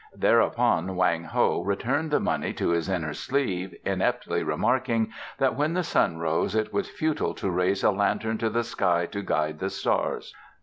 Thereupon Wang Ho returned the money to his inner sleeve, ineptly remarking that when the sun rose it was futile to raise a lantern to the sky to guide the stars.